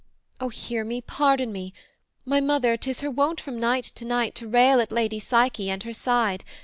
O hear me, pardon me. My mother, 'tis her wont from night to night To rail at Lady Psyche and her side.